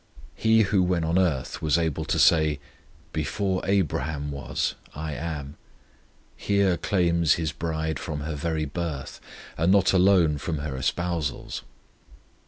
He who when on earth was able to say, "Before Abraham was, I am," here claims His bride from her very birth, and not alone from her espousals.